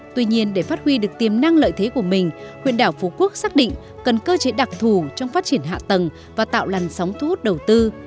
tuy nhiên để phát huy được tiềm năng lợi thế của mình huyện đảo phú quốc xác định cần cơ chế đặc thù trong phát triển hạ tầng và tạo làn sóng thu hút đầu tư